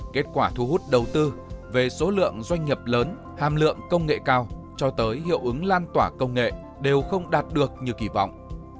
kết quả thu hút đầu tư về số lượng doanh nghiệp lớn hàm lượng công nghệ cao cho tới hiệu ứng lan tỏa công nghệ đều không đạt được như kỳ vọng